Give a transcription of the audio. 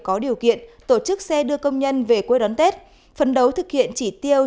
có điều kiện tổ chức xe đưa công nhân về quê đón tết phấn đấu thực hiện chỉ tiêu